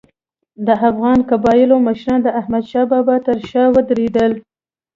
د افغان قبایلو مشران د احمدشاه بابا تر شا ودرېدل.